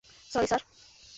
Sorry, sir.